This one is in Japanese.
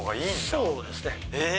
そうですね。